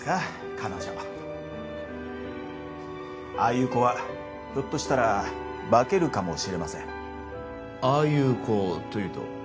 彼女ああいう子はひょっとしたら化けるかもしれませんああいう子というと？